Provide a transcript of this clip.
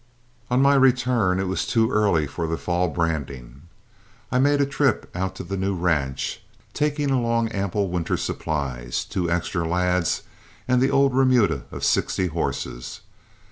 On my return it was too early for the fall branding. I made a trip out to the new ranch, taking along ample winter supplies, two extra lads, and the old remuda of sixty horses.